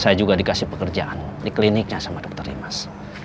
saya juga dikasih pekerjaan di kliniknya sama dokter dimas